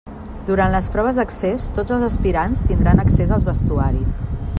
Durant les proves d'accés tots els aspirants tindran accés als vestuaris.